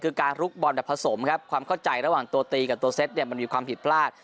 คือการลุกบอลแบบผสมครับความเข้าใจระหว่างตัวตีกับตัวเซ็ตเนี่ยมันมีความผิดพลาด